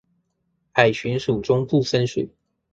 海巡署中部分署